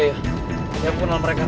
ya ampun lah mereka